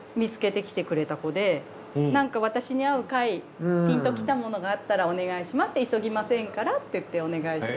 なんか私に合う貝ピンときたものがあったらお願いしますって急ぎませんからっていってお願いして。